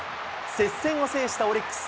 接戦を制したオリックス。